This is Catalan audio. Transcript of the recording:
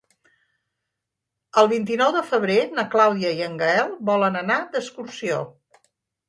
El vint-i-nou de febrer na Clàudia i en Gaël volen anar d'excursió.